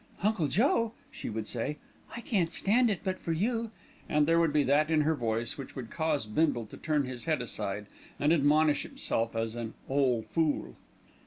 "Uncle Joe," she would say, "I couldn't stand it but for you," and there would be that in her voice which would cause Bindle to turn his head aside and admonish himself as "an ole fool."